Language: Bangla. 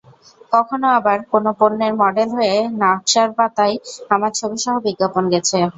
কখনো আবার কোনো পণ্যের মডেল হয়ে নকশার পাতায় আমার ছবিসহ বিজ্ঞাপন গেছে।